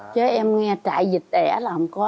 chứ em nghe trại vịt đẻ là không có